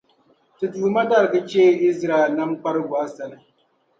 Ti Duuma darigi cheei Izraɛl nam kparibu a sani.